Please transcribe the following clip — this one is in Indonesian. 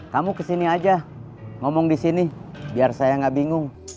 kamu kesini aja ngomong di sini biar saya nggak bingung